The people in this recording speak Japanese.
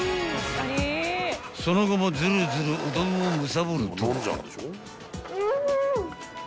［その後もズルズルうどんをむさぼると］